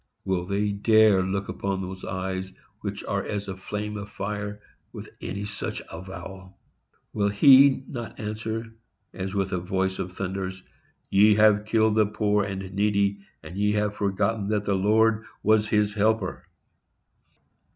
Will they dare look upon those eyes, which are as a flame of fire, with any such avowal? Will He not answer, as with a voice of thunders, "Ye have killed the poor and needy, and ye have forgotten that the Lord was his helper"?